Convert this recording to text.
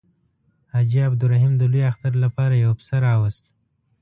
حاجي عبدالرحیم د لوی اختر لپاره یو پسه راووست.